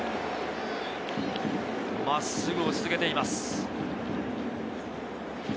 真っすぐを続けています。